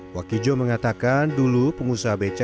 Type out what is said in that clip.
wakijo mengatakan dulu pengusaha beca